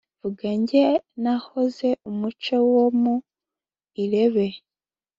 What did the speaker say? Vuga jye nahoze.-Umuce wo mu irebe.